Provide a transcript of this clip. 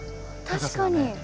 確かに。